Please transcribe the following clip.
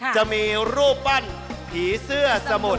จะมีรูปปั้นผีเสื้อสมุทร